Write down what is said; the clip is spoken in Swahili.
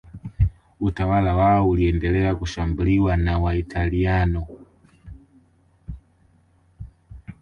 utawala wao uliendelea kushambuliwa na Waitaliano